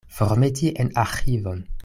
Formeti en arĥivon.